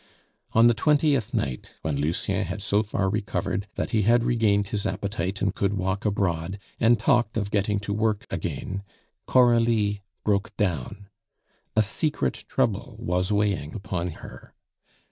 On the twentieth night, when Lucien had so far recovered that he had regained his appetite and could walk abroad, and talked of getting to work again, Coralie broke down; a secret trouble was weighing upon her.